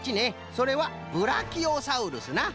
それはブラキオサウルスな。